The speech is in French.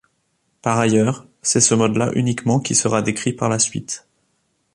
Par ailleurs c'est ce mode-là uniquement qui sera décrit par la suite.